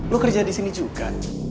lo kerja di sini juga